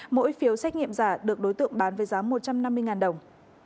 mỗi phiếu xét nghiệm giả được đối tượng bán với giá một trăm năm mươi đồng